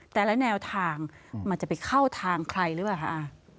แต่ละแนวทางมันจะไปเข้าทางใครหรือเปล่าคะ